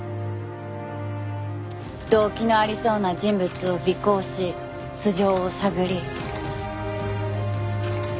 動機のありそうな人物を尾行し素性を探り。